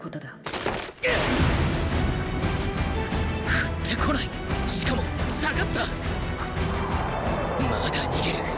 振ってこない⁉しかも退がった⁉まだ逃げる！